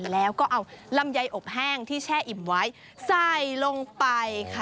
แล้วก็เอาลำไยอบแห้งที่แช่อิ่มไว้ใส่ลงไปค่ะ